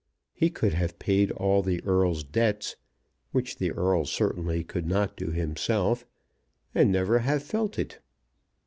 He could have paid all the Earl's debts, which the Earl certainly could not do himself, and never have felt it.